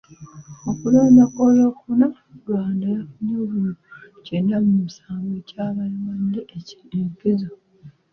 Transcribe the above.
Mu kulonda kw'Olwokuna, Rwanda yafunye obululu kyenda mu musanvu ekyabawadde enkizo.